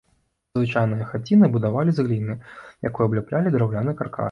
Звычайныя хаціны будавалі з гліны, якой абляплялі драўляны каркас.